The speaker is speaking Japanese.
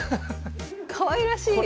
かわいらしい。